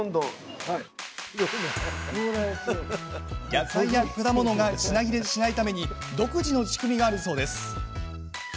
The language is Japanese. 野菜や果物が品切れしないために独自の仕組みがあるそうです。